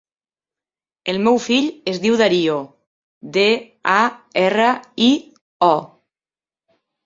El meu fill es diu Dario: de, a, erra, i, o.